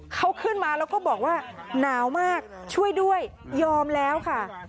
เขาขึ้นมาแล้วก็บอกว่าหนาวมากช่วยด้วยยอมแล้วค่ะ